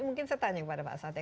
mungkin saya tanya kepada pak satya